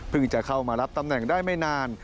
จะเข้ามารับตำแหน่งได้ไม่นาน